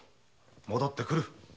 戻ってくる。